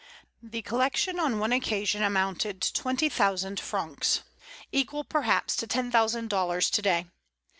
The collection on one occasion amounted to twenty thousand francs, equal, perhaps, to ten thousand dollars to day.